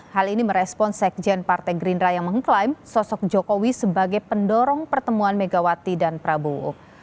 hal ini merespon sekjen partai gerindra yang mengklaim sosok jokowi sebagai pendorong pertemuan megawati dan prabowo